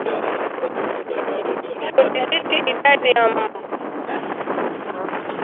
Kudhibiti idadi ya mbwa